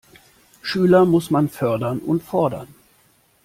Schüler muss man fördern und fordern.